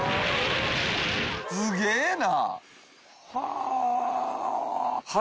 すげえな。